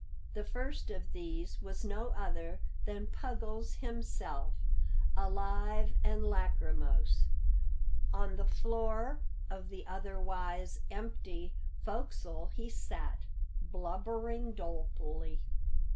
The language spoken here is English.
The first of these was no other than Puggles himself, alive and lachrymose. On the floor of the otherwise empty "fo'csle" he sat, blubbering dolefully.